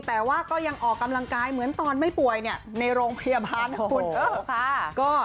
แต่ว่าก็ยังออกกำลังกายเหมือนตอนไม่ป่วยในโรงพยาบาลนะคุณ